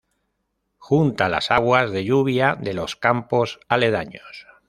Junta las aguas de lluvia de los campos aledaños.